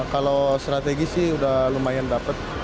kalau strategis sih udah lumayan dapat